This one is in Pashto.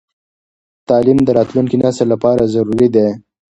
تعليم د راتلونکي نسل لپاره ضروري دی.